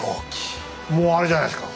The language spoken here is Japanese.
もうあれじゃないですか。